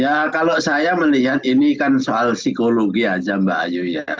ya kalau saya melihat ini kan soal psikologi aja mbak ayu ya